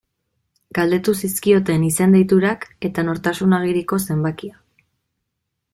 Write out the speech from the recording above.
Galdetu zizkioten izen-deiturak eta nortasun agiriko zenbakia.